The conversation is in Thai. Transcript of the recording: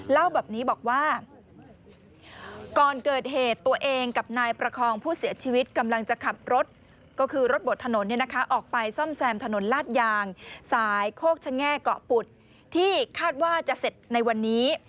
เล่าแบบนี้บอกว่าก่อนเกิดเหตุตัวเองกับนายประคองผู้เสียชีวิตกำลังจะขับรถก็คือรถบดถนนออกไปซ่อมแซมถนนลาดยางสายโคกชะแง่เกาะปุดที่คาดว่าจะเสร็จในวันนี้